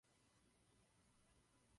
Absolvoval s diplomem.